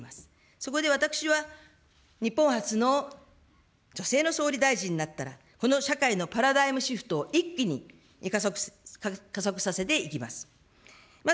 そこで私は日本初の女性の総理大臣になったら、この社会のパラダイムシフトを一気に加速させていきます。